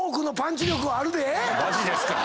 マジですか！